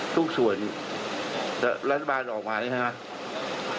ทุกส่วนรัฐบาลออกมานี่ครับ